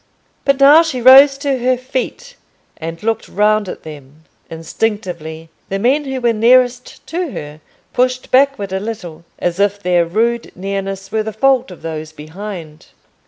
But now she rose to her feet, and looked round at them. Instinctively the men who were nearest to her pushed backward a little, as if their rude nearness were the fault of those behind.